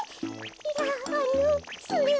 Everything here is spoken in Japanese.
いやあのそれは。